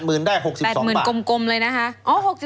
๘๐๐๐๐กลมเลยนะฮะ